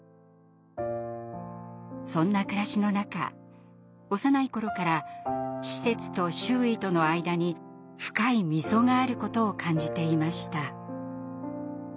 そんな暮らしの中幼い頃から施設と周囲との間に深い溝があることを感じていました。